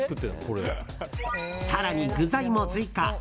更に具材も追加。